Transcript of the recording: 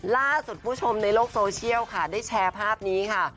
ล่าสุดผู้ชมในโลกโซเชียลค่ะได้แชร์ภาพนี้ค่ะ